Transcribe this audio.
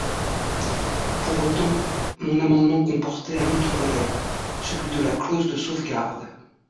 Pour autant, mon amendement comportait un autre volet, celui de la clause de sauvegarde.